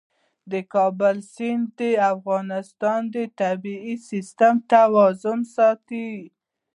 د کابل سیند د افغانستان د طبعي سیسټم توازن ساتي.